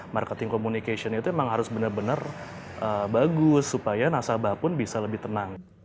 marketing communication itu memang harus benar benar bagus supaya nasabah pun bisa lebih tenang